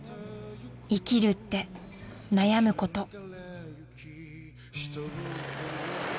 ［生きるって悩むこと］